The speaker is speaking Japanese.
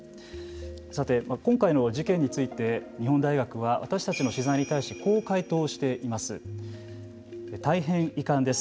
今回の事件について日本大学は私たちの取材に対してこう回答しています。